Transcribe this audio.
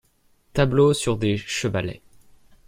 Tableaux sur des chevalets.